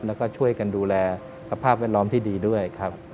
แล้วก็ช่วยกันดูแลสภาพแวดล้อมที่ดีด้วยครับ